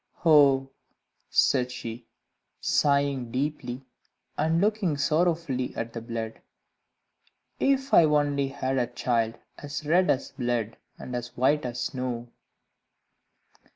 "Oh," said she, sighing deeply and looking sorrowfully at the blood, "if I only had a child as red as blood, and as white as snow!"